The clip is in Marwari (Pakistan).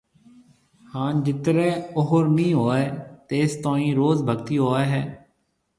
ھان جِترَي اوھر نِي ھوئيَ تيستوئين روز ڀگتي ھوئيَ ھيََََ